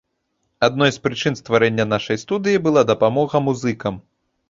Адной з прычын стварэння нашай студыі была дапамога музыкам.